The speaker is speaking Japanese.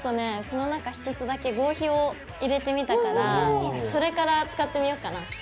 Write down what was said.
この中１つだけ合皮を入れてみたからそれから使ってみようかな。